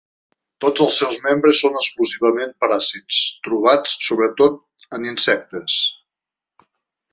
Tots els seus membres són exclusivament paràsits, trobats sobretot en insectes.